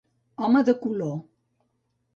Home de color.